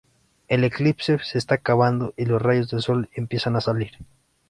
El eclipse se está acabando y los rayos de sol empiezan a salir.